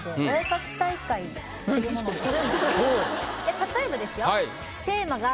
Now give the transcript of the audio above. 例えばですよ。